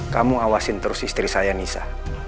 kamu awasin terus istri saya nisa